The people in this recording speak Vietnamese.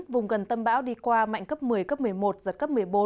vùng gần tâm bão đi qua mạnh cấp một mươi cấp một mươi một giật cấp một mươi bốn